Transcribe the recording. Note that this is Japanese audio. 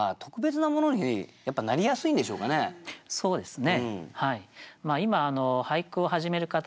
そうですね。